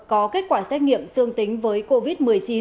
có kết quả xét nghiệm dương tính với covid một mươi chín